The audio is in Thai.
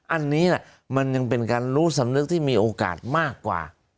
อันนี้มันยังเป็นการรู้สำนึกที่มีโอกาสมากกว่า